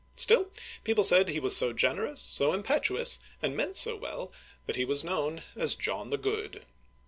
Still, people said he was so generous, so impetuous, and meant so well, that he was known as John the Good.